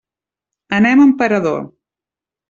Anem a Emperador.